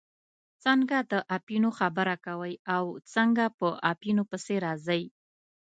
څنګه د اپینو خبره کوئ او څنګه په اپینو پسې راځئ.